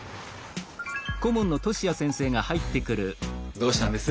どうしたんです？